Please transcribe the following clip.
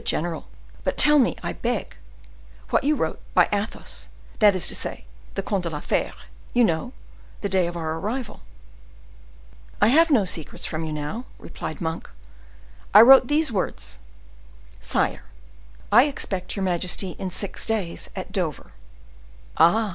general. But tell me, I beg, what you wrote by Athos, that is to say, the Comte de la Fere—you know—the day of our arrival?" "I have no secrets from you now," replied Monk. "I wrote these words: 'Sire, I expect your majesty in six weeks at Dover.'" "Ah!"